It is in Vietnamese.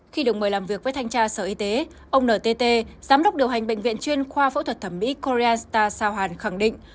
khi được mời làm việc với thanh tra sở y tế ông ntt giám đốc điều hành bệnh viện chuyên khoa phẫu thuật thẩm mỹ coreta sao hàn khẳng định